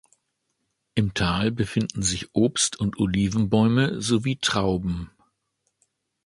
Im Tal befinden sich Obst- und Olivenbäume sowie Trauben.